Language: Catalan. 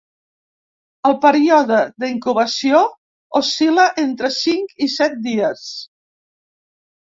El període d’incubació oscil·la entre cinc i set dies.